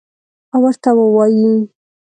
او ورته ووایي: